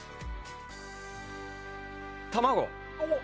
卵。